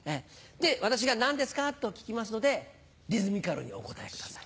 私が「何ですか？」と聞きますのでリズミカルにお答えください。